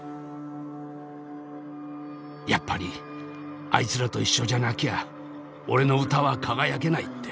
やっぱりあいつらと一緒じゃなきゃ俺の歌は輝けないって。